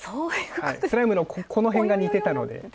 スライムのこのへんが似てたので。